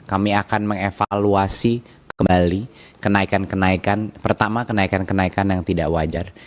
kami akan mengevaluasi kembali kenaikan kenaikan pertama kenaikan kenaikan yang tidak wajar